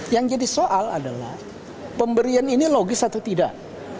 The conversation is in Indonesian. yang jadi soal adalah pemberian ini logis atau tidak